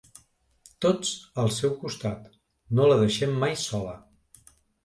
Tots al seu costat, no la deixem mai sola.